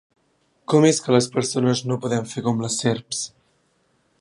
Com és que les persones no podem fer com les serps?